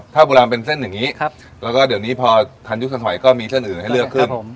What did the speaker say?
ถ้าโบราณเป็นเส้นอย่างนี้แล้วก็เดี๋ยวนี้พอทันยุคสมัยก็มีเส้นอื่นให้เลือกขึ้น